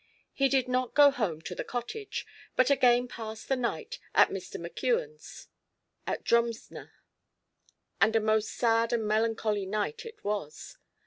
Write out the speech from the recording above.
He did not go home to the Cottage, but again passed the night at Mr. McKeon's, at Drumsna; and a most sad and melancholy night it was.